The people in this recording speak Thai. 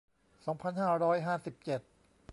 สองพันห้าร้อยห้าสิบเจ็ด